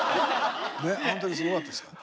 あん時すごかったですから。